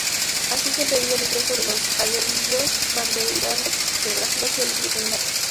Así se impedía el ingreso de los aguerridos bandeirantes del Brasil hacia el virreinato.